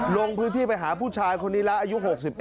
ลงพื้นที่ไปหาผู้ชายคนนี้แล้วอายุ๖๑